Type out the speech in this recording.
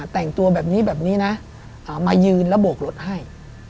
แต่งตัวแบบนี้แบบนี้นะมายืนแล้วโบกรถให้